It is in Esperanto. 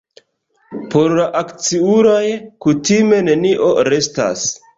Por la akciuloj kutime nenio restas.